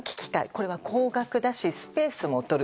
これは高額だしスペースもとる。